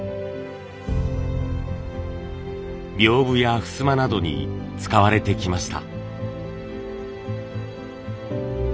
びょうぶやふすまなどに使われてきました。